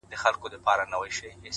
موږ د غني افغانستان په لور قدم ايښی دی!